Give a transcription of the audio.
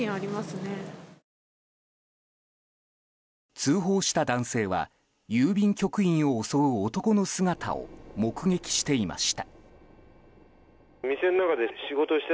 通報した男性は郵便局員を襲う男の姿を目撃していました。